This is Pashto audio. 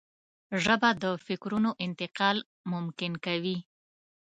ژبه د فکرونو انتقال ممکن کوي